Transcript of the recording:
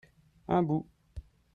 un bout.